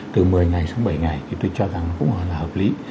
từ một mươi ngày sang bảy ngày thì tôi cho rằng cũng hợp lý